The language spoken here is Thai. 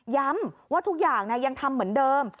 ว่าทุกอย่างยังทำเหมือนเดิม